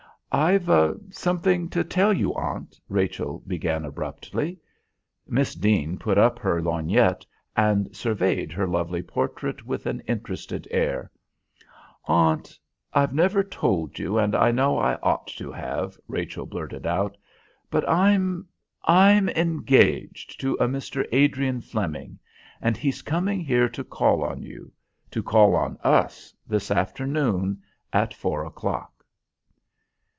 "I've something to tell you, aunt," Rachel began abruptly. Miss Deane put up her lorgnette and surveyed her lovely portrait with an interested air. "Aunt I've never told you and I know I ought to have," Rachel blurted out. "But I'm I'm engaged to a Mr. Adrian Flemming, and he's coming here to call on you to call on us, this afternoon at four o'clock."